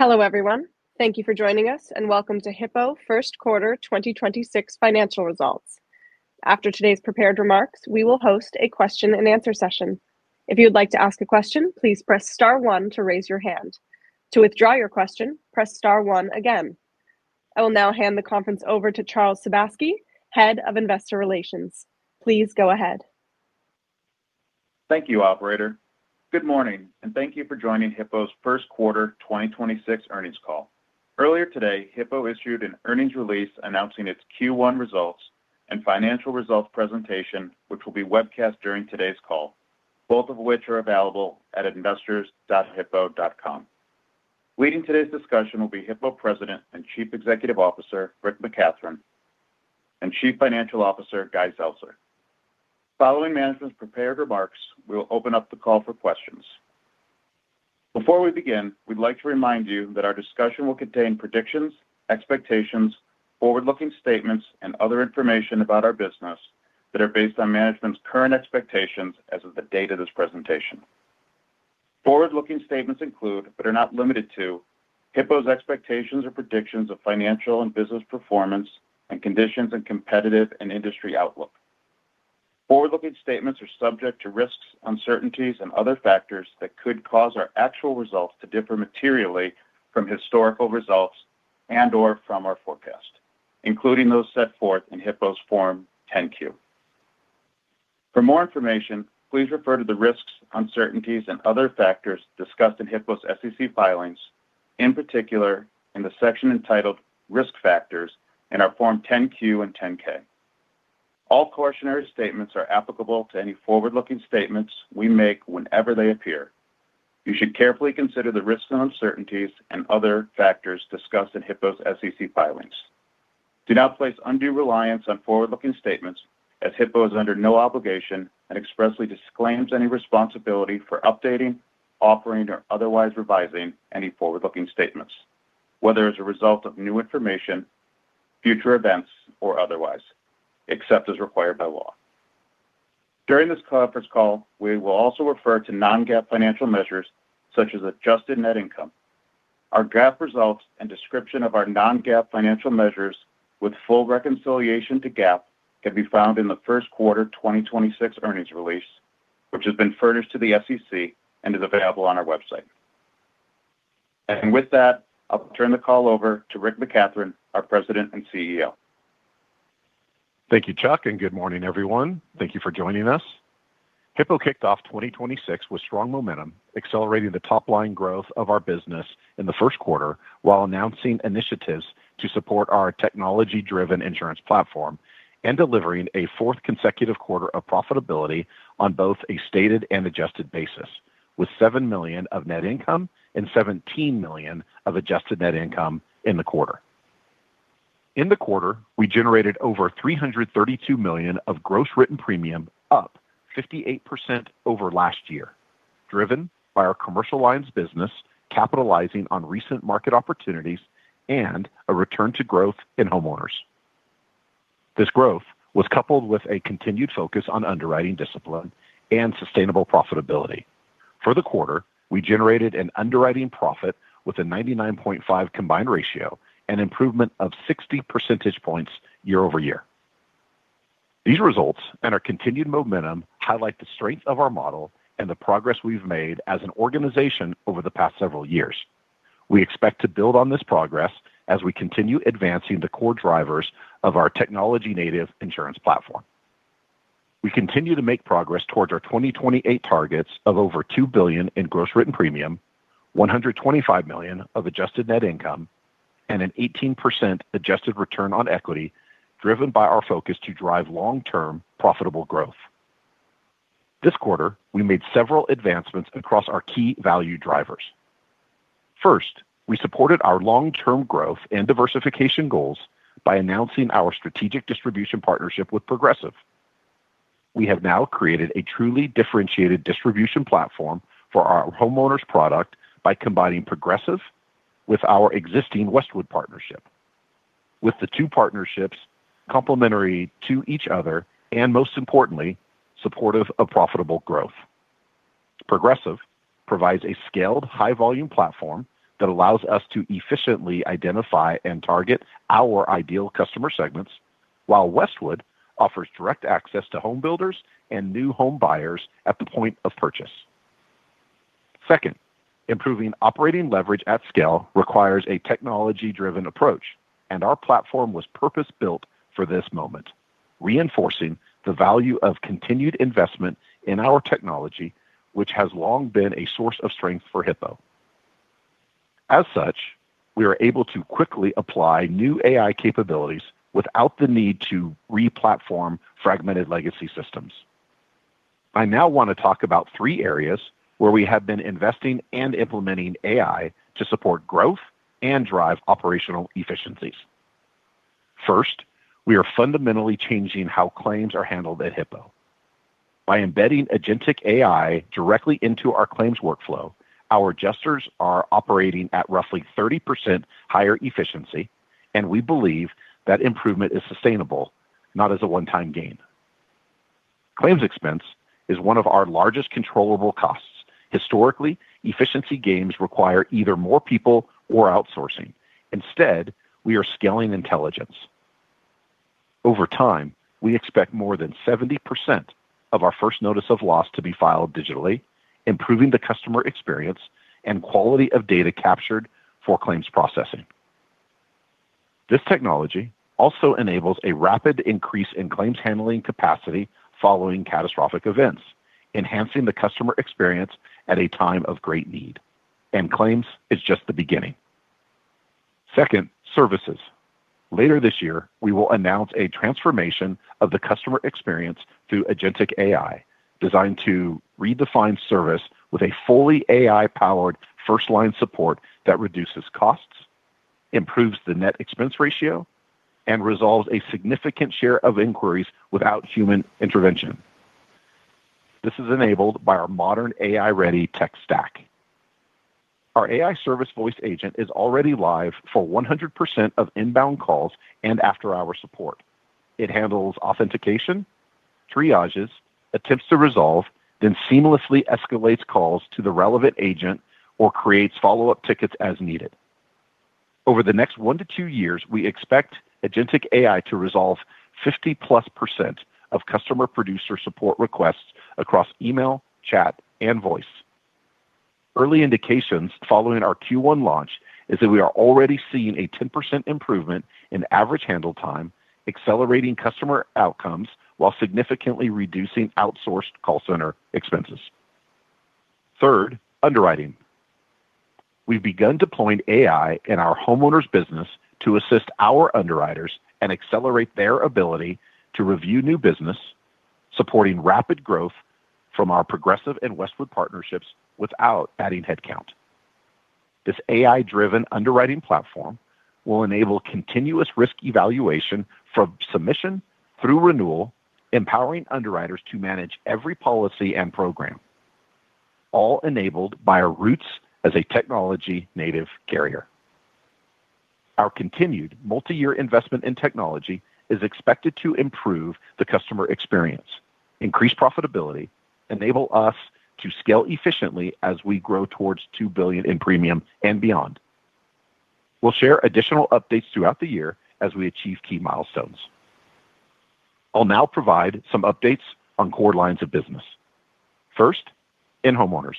Hello, everyone. Thank you for joining us, and welcome to Hippo First Quarter 2026 Financial Results. After today's prepared remarks, we will host a question and answer session. I will now hand the conference over to Charles Sebaski, Head of Investor Relations. Please go ahead. Thank you, operator. Good morning, thank you for joining Hippo's First Quarter 2026 Earnings Call. Earlier today, Hippo issued an earnings release announcing its Q1 results and financial results presentation, which will be webcast during today's call, both of which are available at investors.hippo.com. Leading today's discussion will be Hippo President and Chief Executive Officer, Rick McCathron, and Chief Financial Officer, Guy Zeltser. Following management's prepared remarks, we'll open up the call for questions. Before we begin, we'd like to remind you that our discussion will contain predictions, expectations, forward-looking statements, and other information about our business that are based on management's current expectations as of the date of this presentation. Forward-looking statements include, are not limited to, Hippo's expectations or predictions of financial and business performance and conditions in competitive and industry outlook. Forward-looking statements are subject to risks, uncertainties and other factors that could cause our actual results to differ materially from historical results and/or from our forecast, including those set forth in Hippo's Form 10-Q. For more information, please refer to the risks, uncertainties and other factors discussed in Hippo's SEC filings, in particular in the section entitled Risk Factors in our Form 10-Q and 10-K. All cautionary statements are applicable to any forward-looking statements we make whenever they appear. You should carefully consider the risks and uncertainties and other factors discussed in Hippo's SEC filings. Do not place undue reliance on forward-looking statements as Hippo is under no obligation and expressly disclaims any responsibility for updating, offering, or otherwise revising any forward-looking statements, whether as a result of new information, future events, or otherwise, except as required by law. During this conference call, we will also refer to non-GAAP financial measures such as Adjusted Net Income. Our GAAP results and description of our non-GAAP financial measures with full reconciliation to GAAP can be found in the first quarter 2026 earnings release, which has been furnished to the SEC and is available on our website. With that, I'll turn the call over to Rick McCathron, our President and CEO. Thank you, Chuck, Good morning, everyone. Thank you for joining us. Hippo kicked off 2026 with strong momentum, accelerating the top line growth of our business in the first quarter while announcing initiatives to support our technology-driven insurance platform and delivering a fourth consecutive quarter of profitability on both a stated and adjusted basis, with $7 million of net income and $17 million of Adjusted Net Income in the quarter. In the quarter, we generated over $332 Gross Written Premium, up 58% over last year, driven by our commercial lines business capitalizing on recent market opportunities and a return to growth in homeowners. This growth was coupled with a continued focus on underwriting discipline and sustainable profitability. For the quarter, we generated an underwriting profit with a 99.5 Combined Ratio, an improvement of 60 percentage points year-over-year. These results and our continued momentum highlight the strength of our model and the progress we've made as an organization over the past several years. We expect to build on this progress as we continue advancing the core drivers of our technology-native insurance platform. We continue to make progress towards our 2028 targets of over $2 Gross Written Premium, $125 million of Adjusted Net Income, and an 18% adjusted return on equity driven by our focus to drive long-term profitable growth. This quarter, we made several advancements across our key value drivers. First, we supported our long-term growth and diversification goals by announcing our strategic distribution partnership with Progressive. We have now created a truly differentiated distribution platform for our homeowners product by combining Progressive with our existing Westwood partnership. With the two partnerships complementary to each other, and most importantly, supportive of profitable growth. Progressive provides a scaled high volume platform that allows us to efficiently identify and target our ideal customer segments, while Westwood offers direct access to home builders and new home buyers at the point of purchase. Second, improving operating leverage at scale requires a technology-driven approach, and our platform was purpose-built for this moment, reinforcing the value of continued investment in our technology, which has long been a source of strength for Hippo. As such, we are able to quickly apply new AI capabilities without the need to re-platform fragmented legacy systems. I now want to talk about three areas where we have been investing and implementing AI to support growth and drive operational efficiencies. First, we are fundamentally changing how claims are handled at Hippo. By embedding agentic AI directly into our claims workflow, our adjusters are operating at roughly 30% higher efficiency, we believe that improvement is sustainable, not as a one-time gain. Claims expense is one of our largest controllable costs. Historically, efficiency gains require either more people or outsourcing. Instead, we are scaling intelligence. Over time, we expect more than 70% of our first notice of loss to be filed digitally, improving the customer experience and quality of data captured for claims processing. This technology also enables a rapid increase in claims handling capacity following catastrophic events, enhancing the customer experience at a time of great need. Claims is just the beginning. Second, services. Later this year, we will announce a transformation of the customer experience through agentic AI, designed to redefine service with a fully AI-powered first-line support that reduces costs, improves the net expense ratio, and resolves a significant share of inquiries without human intervention. This is enabled by our modern AI-ready tech stack. Our AI service voice agent is already live for 100% of inbound calls and after-hour support. It handles authentication, triages, attempts to resolve, then seamlessly escalates calls to the relevant agent or creates follow-up tickets as needed. Over the next one-two years, we expect agentic AI to resolve 50+% of customer producer support requests across email, chat, and voice. Early indications following our Q1 launch is that we are already seeing a 10% improvement in average handle time, accelerating customer outcomes while significantly reducing outsourced call center expenses. Third, underwriting. We've begun deploying AI in our homeowners business to assist our underwriters and accelerate their ability to review new business, supporting rapid growth from our Progressive and Westwood partnerships without adding headcount. This AI-driven underwriting platform will enable continuous risk evaluation from submission through renewal, empowering underwriters to manage every policy and program, all enabled by our roots as a technology-native carrier. Our continued multi-year investment in technology is expected to improve the customer experience, increase profitability, enable us to scale efficiently as we grow towards $2 billion in premium and beyond. We'll share additional updates throughout the year as we achieve key milestones. I'll now provide some updates on core lines of business. First, in homeowners.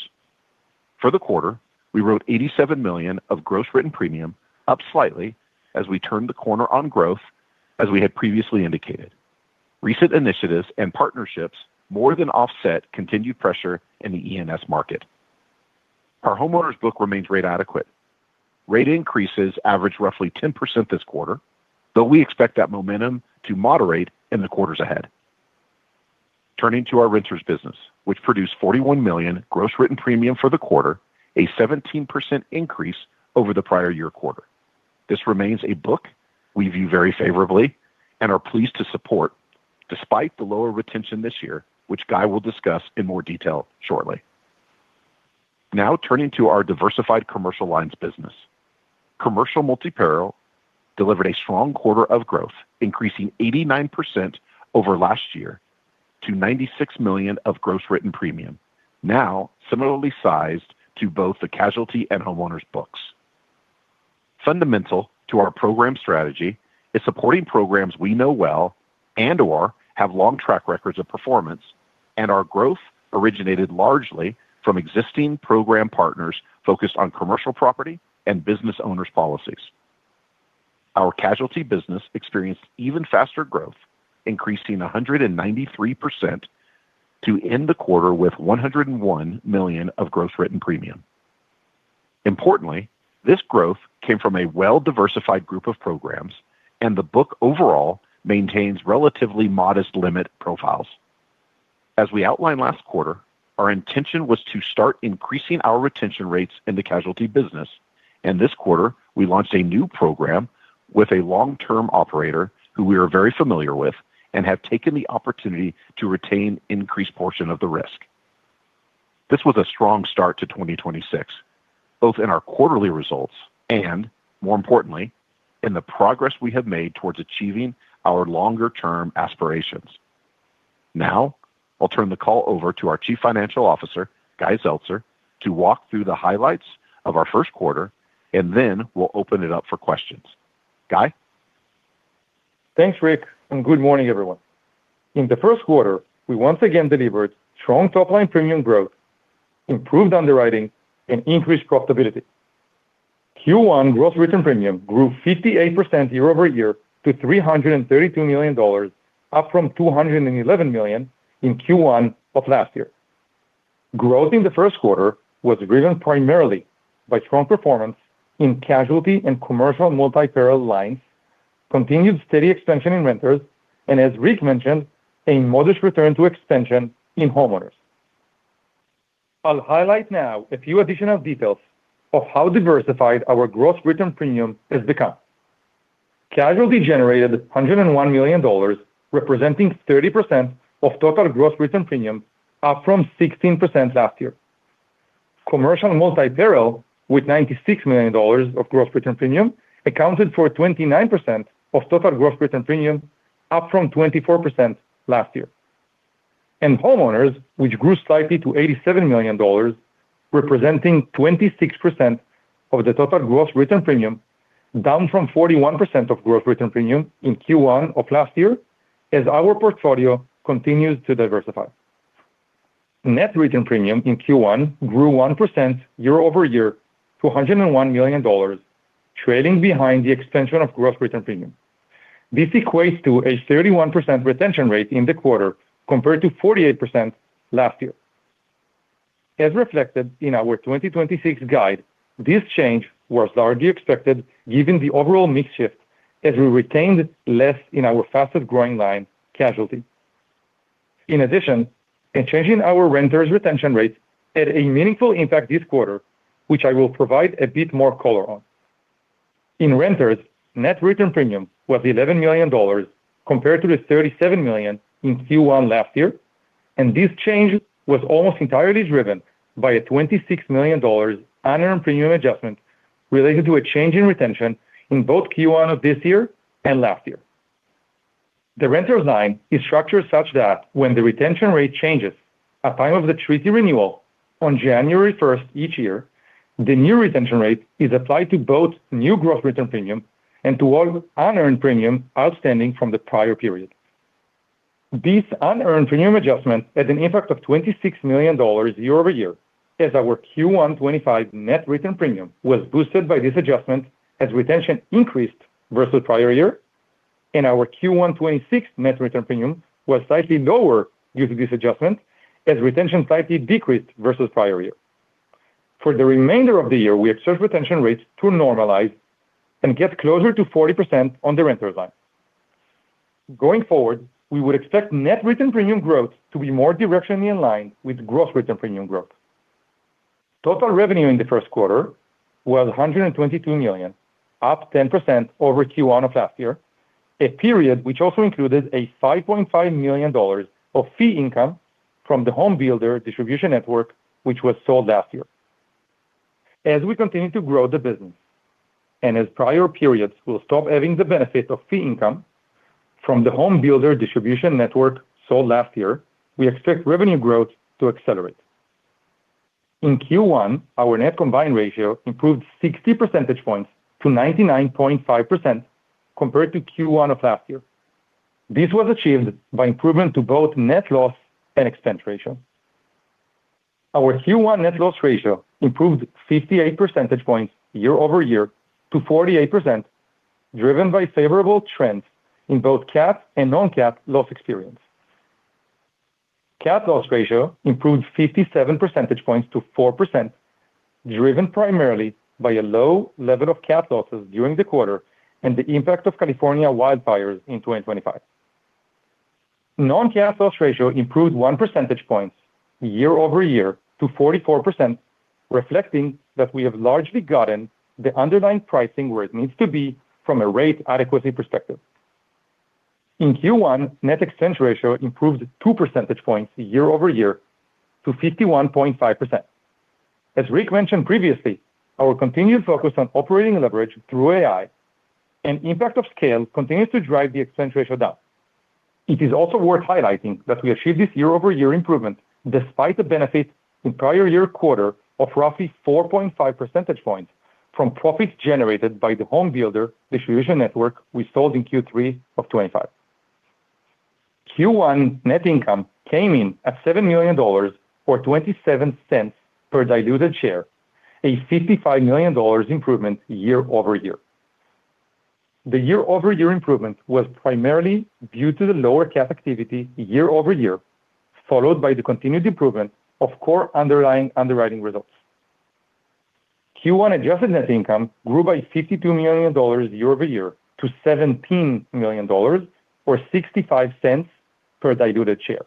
For the quarter, we wrote $87 Gross Written Premium, up slightly as we turned the corner on growth, as we had previously indicated. Recent initiatives and partnerships more than offset continued pressure in the E&S market. Our homeowners book remains rate adequate. Rate increases averaged roughly 10% this quarter, though we expect that momentum to moderate in the quarters ahead. Turning to our renters business, which produced Gross Written Premium for the quarter, a 17% increase over the prior year quarter. This remains a book we view very favorably and are pleased to support despite the lower retention this year, which Guy will discuss in more detail shortly. Now, turning to our diversified commercial lines business. Commercial multi-peril delivered a strong quarter of growth, increasing 89% over last year to $96 Gross Written Premium, now similarly sized to both the casualty and homeowners books. Fundamental to our program strategy is supporting programs we know well and/or have long track records of performance. Our growth originated largely from existing program partners focused on commercial property and business owners' policies. Our casualty business experienced even faster growth, increasing 193% to end the quarter with $101 Gross Written Premium. importantly, this growth came from a well-diversified group of programs. The book overall maintains relatively modest limit profiles. As we outlined last quarter, our intention was to start increasing our retention rates in the casualty business. This quarter, we launched a new program with a long-term operator who we are very familiar with and have taken the opportunity to retain increased portion of the risk. This was a strong start to 2026, both in our quarterly results and, more importantly, in the progress we have made towards achieving our longer-term aspirations. I'll turn the call over to our Chief Financial Officer, Guy Zeltser, to walk through the highlights of our first quarter, and then we'll open it up for questions. Guy? Thanks, Rick, and good morning, everyone. In the first quarter, we once again delivered strong top-line premium growth, improved underwriting, and increased Gross Written Premium grew 58% year-over-year to $332 million, up from $211 million in Q1 of last year. Growth in the first quarter was driven primarily by strong performance in casualty and commercial multi-peril lines, continued steady expansion in renters, and as Rick mentioned, a modest return to expansion in homeowners. I'll highlight now a few additional details of how Gross Written Premium has become. Casualty generated $101 million, representing 30% Gross Written Premium, up from 16% last year. Commercial multi-peril with $96 Gross Written Premium accounted for 29% Gross Written Premium, up from 24% last year. Homeowners, which grew slightly to $87 million, representing 26% of Gross Written Premium, down from Gross Written Premium in q1 of last year as our portfolio continues to diversify. Gross Written Premium in Q1 grew 1% year-over-year to $101 million, trailing behind the Gross Written Premium. this equates to a 31% retention rate in the quarter compared to 48% last year. As reflected in our 2026 guide, this change was largely expected given the overall mix shift as we retained less in our fastest-growing line, casualty. In addition, a change in our renter's retention rates had a meaningful impact this quarter, which I will provide a bit more color on. In renters, Gross Written Premium was $11 million compared to the $37 million in Q1 last year. This change was almost entirely driven by a $26 million unearned premium adjustment related to a change in retention in both Q1 of this year and last year. The renter's line is structured such that when the retention rate changes at time of the treaty renewal on January 1st each year, the new retention rate is applied to Gross Written Premium and to all unearned premium outstanding from the prior period. This unearned premium adjustment had an impact of $26 million year-over-year as our Q1 2025 Gross Written Premium was boosted by this adjustment as retention increased versus prior year. Our Q1 2026 Gross Written Premium was slightly lower due to this adjustment as retention slightly decreased versus prior year. For the remainder of the year, we expect retention rates to normalize and get closer to 40% on the renter's line. Going forward, we would expect Gross Written Premium growth to be more directionally in Gross Written Premium growth. total revenue in the first quarter was $122 million, up 10% over Q1 of last year, a period which also included $5.5 million of fee income from the home builder distribution network, which was sold last year. As we continue to grow the business, and as prior periods will stop having the benefit of fee income from the home builder distribution network sold last year, we expect revenue growth to accelerate. In Q1, our net combined ratio improved 60 percentage points to 99.5% compared to Q1 of last year. This was achieved by improvement to both net loss and expense ratio. Our Q1 Net Loss Ratio improved 58 percentage points year-over-year to 48%, driven by favorable trends in both cat and non-cat loss experience. Catastrophe loss ratio improved 57 percentage points to 4%, driven primarily by a low level of CAT losses during the quarter and the impact of California wildfires in 2025. Non-catastrophe loss ratio improved 1 percentage point year-over-year to 44%, reflecting that we have largely gotten the underlying pricing where it needs to be from a rate adequacy perspective. In Q1, Net Expense Ratio improved 2 percentage points year-over-year to 51.5%. As Rick mentioned previously, our continued focus on operating leverage through AI and impact of scale continues to drive the expense ratio down. It is also worth highlighting that we achieved this year-over-year improvement despite the benefit in prior year quarter of roughly 4.5 percentage points from profits generated by the homebuilder distribution network we sold in Q3 of 2025. Q1 net income came in at $7 million or $0.27 per diluted share, a $55 million improvement year-over-year. The year-over-year improvement was primarily due to the lower cat activity year-over-year, followed by the continued improvement of core underlying underwriting results. Q1 Adjusted Net Income grew by $52 million year-over-year to $17 million or $0.65 per diluted share.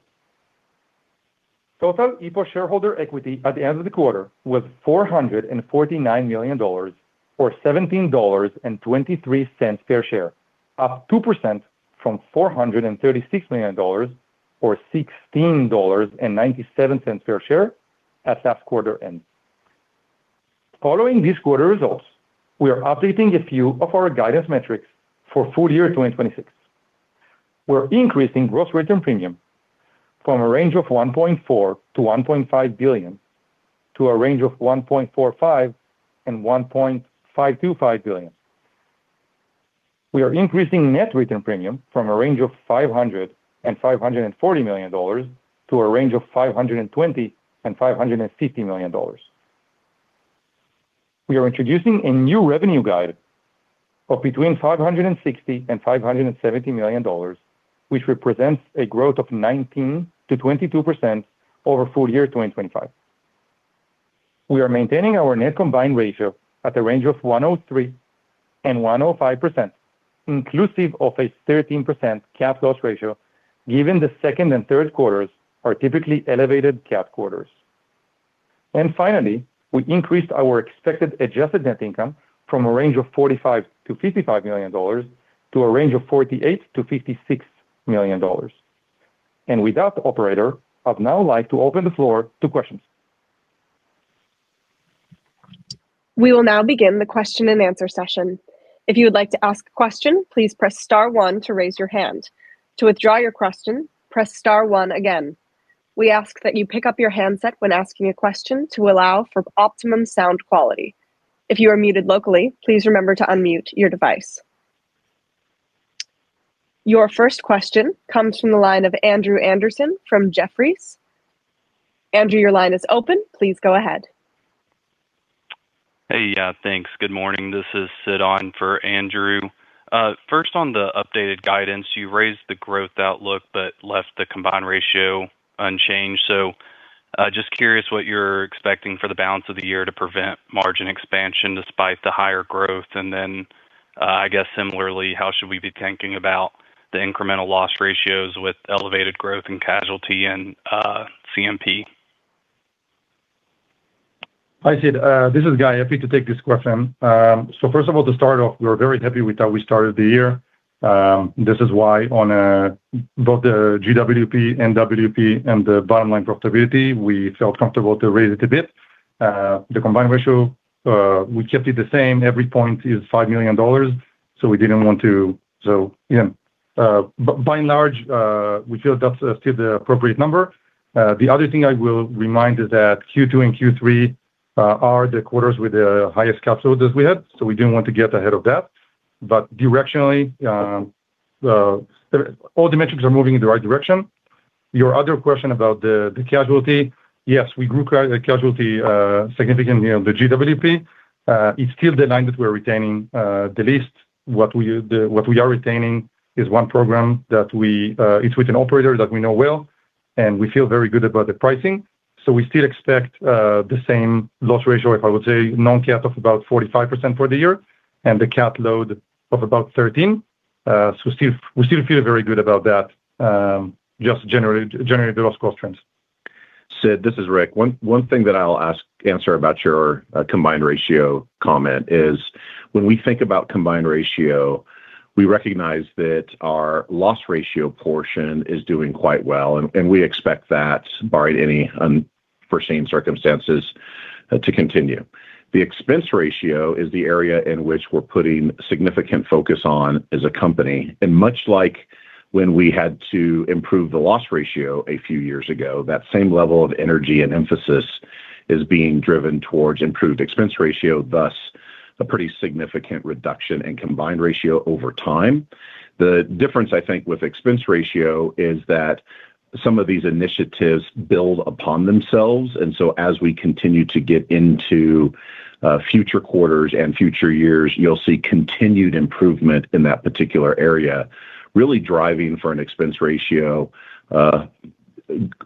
Total Hippo shareholder equity at the end of the quarter was $449 million or $17.23 per share, up 2% from $436 million or $16.97 per share at last quarter end. Following these quarter results, we are updating a few of our guidance metrics for full year 2026. Gross Written Premium from a range of $1.4 billion-$1.5 billion to a range of $1.45 billion and $1.525 billion. We are increasing Gross Written Premium from a range of $500 million-$540 million to a range of $520 million and $550 million. We are introducing a new revenue guide of between $560 million and $570 million, which represents a growth of 19%-22% over FY 2025. We are maintaining our net combined ratio at a range of 103% and 105%, inclusive of a 13% catastrophe loss ratio, given the second and third quarters are typically elevated cat quarters. Finally, we increased our expected Adjusted Net Income from a range of $45 million-$55 million to a range of $48 million-$56 million. With that, operator, I'd now like to open the floor to questions. Andrew, your line is open. Please go ahead. Hey. Yeah, thanks. Good morning. This is Sid on for Andrew. First on the updated guidance, you raised the growth outlook but left the Combined Ratio unchanged. Just curious what you're expecting for the balance of the year to prevent margin expansion despite the higher growth. I guess similarly, how should we be thinking about the incremental loss ratios with elevated growth and casualty and CMP? Hi, Sid. This is Guy. Happy to take this question. To start off, we were very happy with how we started the year. This is why on both the GWP, NWP, and the bottom line profitability, we felt comfortable to raise it a bit. The combined ratio, we kept it the same. Every point is $5 million. You know, by and large, we feel that's still the appropriate number. The other thing I will remind is that Q2 and Q3 are the quarters with the highest catastrophe loss that we had. We didn't want to get ahead of that. Directionally, all the metrics are moving in the right direction. Your other question about the casualty. Yes, we grew casualty significantly on the GWP. It's still the line that we're retaining, the least. What we are retaining is one program that we. It's with an operator that we know well, and we feel very good about the pricing. We still expect the same loss ratio, if I would say, non-CAT of about 45% for the year and the CAT load of about 13%. We still feel very good about that, just generally the loss cost trends. Sid, this is Rick. One thing that I'll ask answer about your combined ratio comment is when we think about combined ratio, we recognize that our loss ratio portion is doing quite well, and we expect that, barring any unforeseen circumstances, to continue. The expense ratio is the area in which we're putting significant focus on as a company. Much like when we had to improve the loss ratio a few years ago, that same level of energy and emphasis is being driven towards improved expense ratio, thus a pretty significant reduction in combined ratio over time. The difference, I think, with expense ratio is that some of these initiatives build upon themselves. As we continue to get into future quarters and future years, you'll see continued improvement in that particular area, really driving for an expense ratio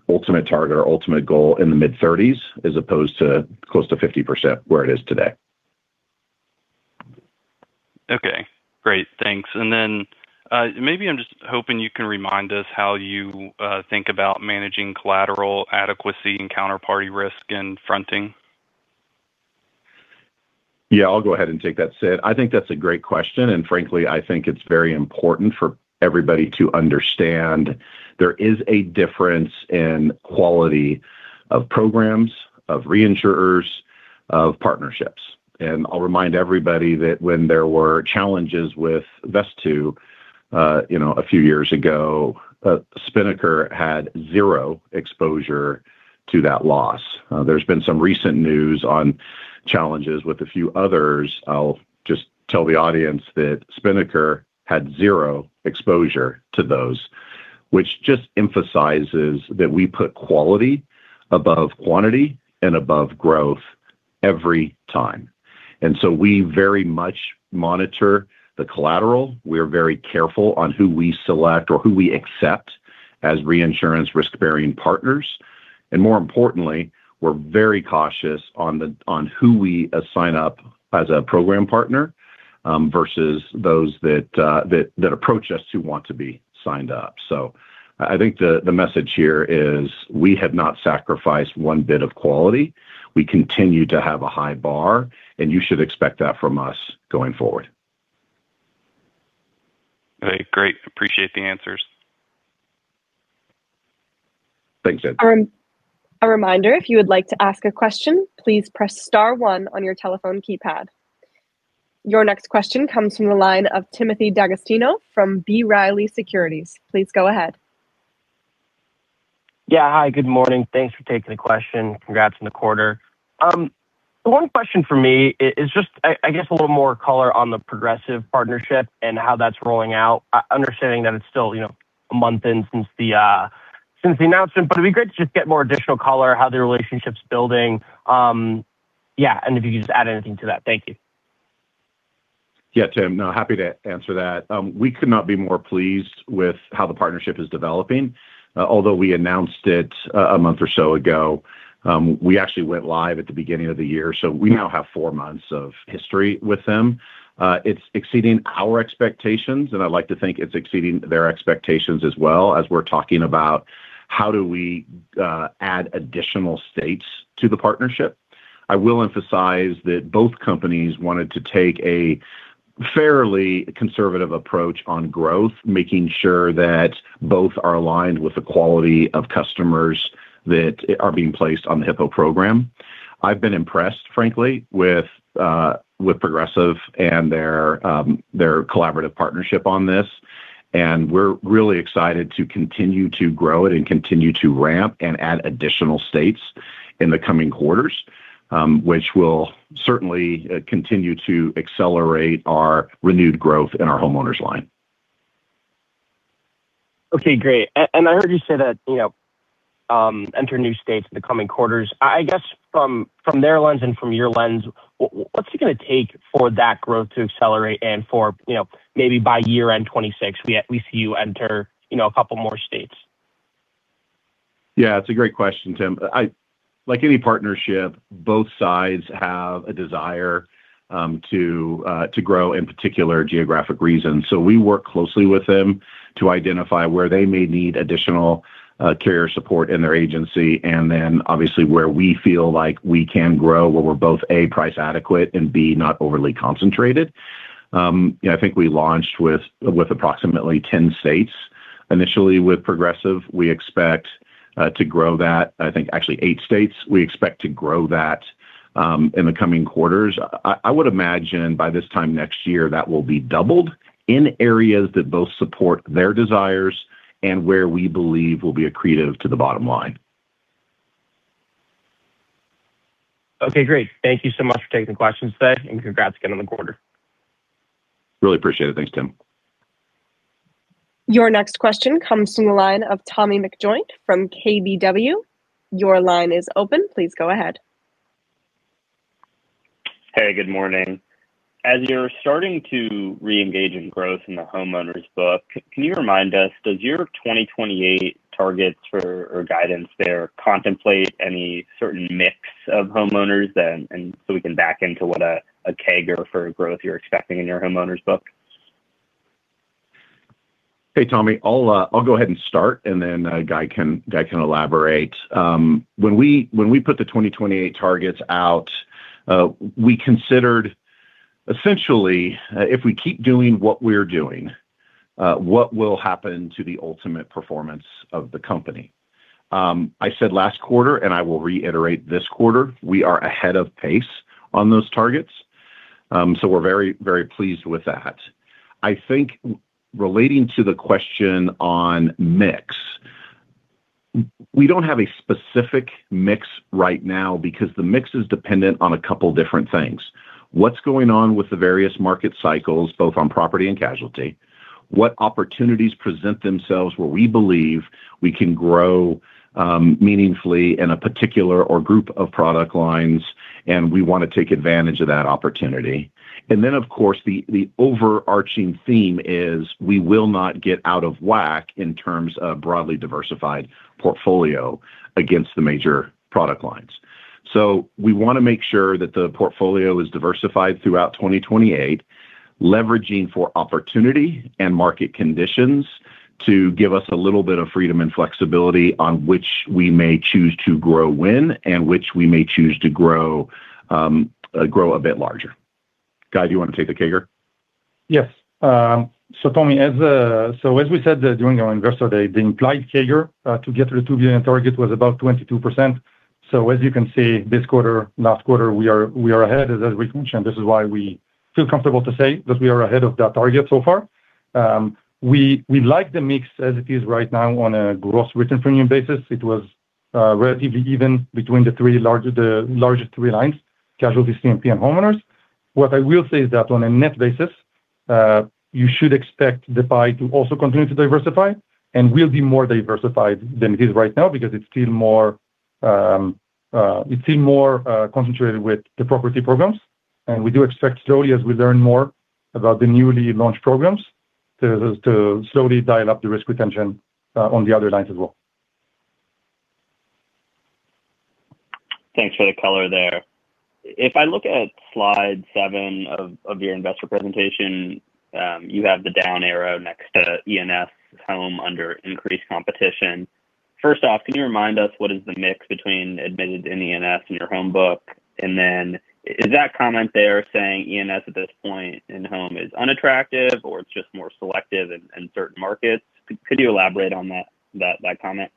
ultimate target or ultimate goal in the mid-30s as opposed to close to 50% where it is today. Okay, great. Thanks. Then maybe I'm just hoping you can remind us how you think about managing collateral adequacy and counterparty risk in fronting? Yeah, I'll go ahead and take that, Sid. I think that's a great question, frankly, I think it's very important for everybody to understand there is a difference in quality of programs, of reinsurers, of partnerships. I'll remind everybody that when there were challenges with Vesttoo, you know, a few years ago, Spinnaker had zero exposure to that loss. There's been some recent news on challenges with a few others. I'll just tell the audience that Spinnaker had zero exposure to those, which just emphasizes that we put quality above quantity and above growth every time. We very much monitor the collateral. We're very careful on who we select or who we accept as reinsurance risk-bearing partners. More importantly, we're very cautious on who we sign up as a program partner versus those that approach us who want to be signed up. I think the message here is we have not sacrificed one bit of quality. We continue to have a high bar, and you should expect that from us going forward. Okay, great. Appreciate the answers. Thanks, Sid. A reminder, if you would like to ask a question, please press star one on your telephone keypad. Your next question comes from the line of Timothy D'Agostino from B. Riley Securities. Please go ahead. Hi, good morning. Thanks for taking the question. Congrats on the quarter. The one question from me is just, I guess a little more color on the Progressive partnership and how that's rolling out. Understanding that it's still, you know, a month in since the announcement, but it'd be great to just get more additional color how the relationship's building. If you could just add anything to that. Thank you. Yeah, Tim, no, happy to answer that. We could not be more pleased with how the partnership is developing. Although we announced it a month or so ago, we actually went live at the beginning of the year. We now have four months of history with them. It's exceeding our expectations, and I'd like to think it's exceeding their expectations as well as we're talking about how do we add additional states to the partnership. I will emphasize that both companies wanted to take a fairly conservative approach on growth, making sure that both are aligned with the quality of customers that are being placed on the Hippo program. I've been impressed, frankly, with Progressive and their collaborative partnership on this, and we're really excited to continue to grow it and continue to ramp and add additional states in the coming quarters, which will certainly continue to accelerate our renewed growth in our homeowners line. Okay, great. I heard you say that, you know, enter new states in the coming quarters. I guess from their lens and from your lens, what's it gonna take for that growth to accelerate and for, you know, maybe by year-end 2026 we see you enter, you know, a couple more states? Yeah, it's a great question, Tim. Like any partnership, both sides have a desire to grow in particular geographic regions. We work closely with them to identify where they may need additional carrier support in their agency and then obviously where we feel like we can grow where we're both, A, price adequate and, B, not overly concentrated. You know, I think we launched with approximately 10 states initially with Progressive. We expect to grow that. I think actually eight states. We expect to grow that in the coming quarters. I would imagine by this time next year that will be doubled in areas that both support their desires and where we believe will be accretive to the bottom line. Okay, great. Thank you so much for taking the questions today, and congrats again on the quarter. Really appreciate it. Thanks, Tim. Your next question comes from the line of Tommy McJoynt from KBW. Your line is open. Please go ahead. Hey, good morning. As you're starting to reengage in growth in the homeowners book, can you remind us, does your 2028 targets for or guidance there contemplate any certain mix of homeowners then and so we can back into what, a CAGR for growth you're expecting in your homeowners book? Hey, Tommy. I'll go ahead and start. Guy can elaborate. When we put the 2028 targets out, we considered essentially, if we keep doing what we're doing, what will happen to the ultimate performance of the company. I said last quarter, I will reiterate this quarter, we are ahead of pace on those targets. We're very pleased with that. I think relating to the question on mix, we don't have a specific mix right now because the mix is dependent on a couple different things. What's going on with the various market cycles, both on property and casualty? What opportunities present themselves where we believe we can grow meaningfully in a particular or group of product lines, we wanna take advantage of that opportunity. Of course, the overarching theme is we will not get out of whack in terms of broadly diversified portfolio against the major product lines. We wanna make sure that the portfolio is diversified throughout 2028, leveraging for opportunity and market conditions to give us a little bit of freedom and flexibility on which we may choose to grow when and which we may choose to grow a bit larger. Guy, do you want to take the CAGR? Yes. Tommy, as we said, during our investor day, the implied CAGR to get to the $2 billion target was about 22%. As you can see, this quarter, last quarter, we are ahead, as we mentioned, this is why we feel comfortable to say that we are ahead of that target so far. We like the mix as it is right now Gross Written Premium basis. it was relatively even between the larger three lines, casualty, CMP, and homeowners. What I will say is that on a net basis, you should expect the pie to also continue to diversify and will be more diversified than it is right now because it's still more concentrated with the property programs. We do expect slowly, as we learn more about the newly launched programs, to slowly dial up the risk retention on the other lines as well. Thanks for the color there. If I look at slide seven of your investor presentation, you have the down arrow next to E&S home under increased competition. First off, can you remind us what is the mix between admitted E&S in your home book? Is that comment there saying E&S at this point in home is unattractive or it's just more selective in certain markets? Could you elaborate on that comment?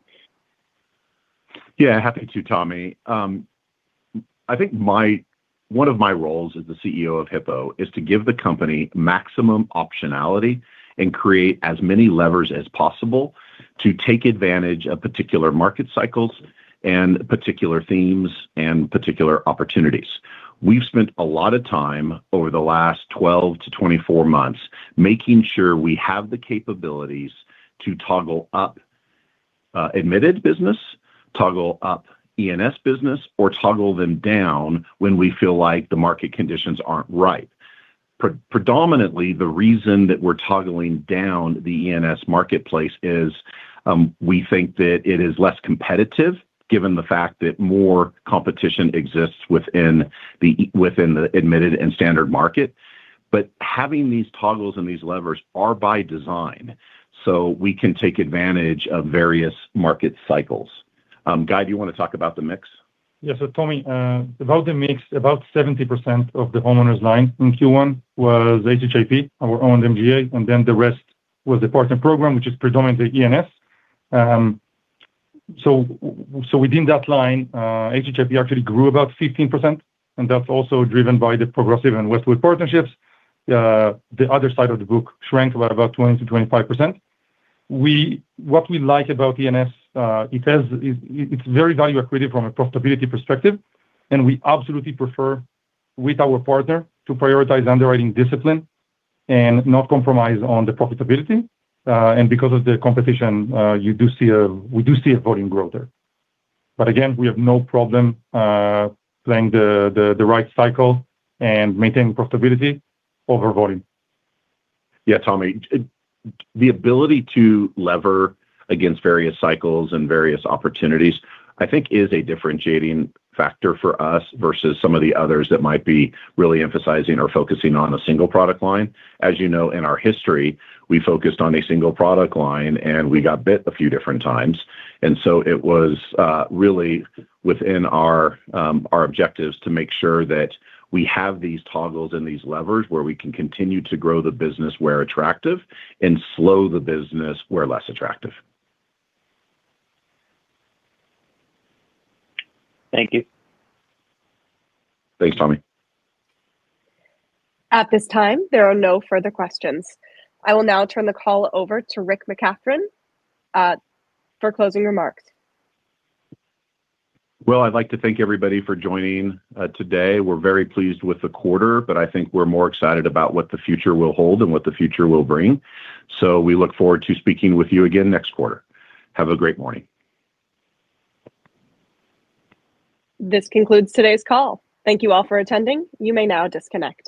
Yeah, happy to, Tommy. I think one of my roles as the CEO of Hippo is to give the company maximum optionality and create as many levers as possible to take advantage of particular market cycles and particular themes and particular opportunities. We've spent a lot of time over the last 12-24 months making sure we have the capabilities to toggle up admitted business, toggle up E&S business, or toggle them down when we feel like the market conditions aren't right. Predominantly, the reason that we're toggling down the E&S marketplace is we think that it is less competitive given the fact that more competition exists within the admitted and standard market. Having these toggles and these levers are by design, so we can take advantage of various market cycles. Guy, do you wanna talk about the mix? Yes. Tommy, about the mix, about 70% of the homeowners line in Q1 was HHIP, our own MGA, and then the rest was the partner program, which is predominantly E&S. Within that line, HHIP actually grew about 15%, and that's also driven by the Progressive and Westwood partnerships. The other side of the book shrank about 20%-25%. What we like about E&S, it's very value accretive from a profitability perspective, and we absolutely prefer with our partner to prioritize underwriting discipline and not compromise on the profitability. Because of the competition, we do see a volume growth there. Again, we have no problem playing the right cycle and maintaining profitability over volume. Tommy, the ability to lever against various cycles and various opportunities, I think is a differentiating factor for us versus some of the others that might be really emphasizing or focusing on a single product line. As you know, in our history, we focused on a single product line, and we got bit a few different times. It was really within our objectives to make sure that we have these toggles and these levers where we can continue to grow the business where attractive and slow the business where less attractive. Thank you. Thanks, Tommy. At this time, there are no further questions. I will now turn the call over to Rick McCathron for closing remarks. Well, I'd like to thank everybody for joining today. We're very pleased with the quarter, but I think we're more excited about what the future will hold and what the future will bring. We look forward to speaking with you again next quarter. Have a great morning. This concludes today's call. Thank you all for attending. You may now disconnect.